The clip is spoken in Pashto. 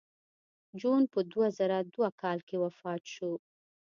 جون په دوه زره دوه کال کې وفات شو